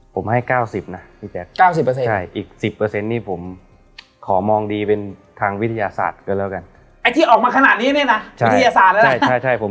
ผมให้ก้าวสิบนะ๙๐อีก๑๐นี่ผมขอมองดีเป็นทางวิทยาศาสตร์ร่วมกันไอ้ที่ออกมาขนาดนี้เนี่ยนะใช่ค่ะใช่ผม